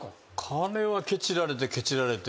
金はケチられてケチられて。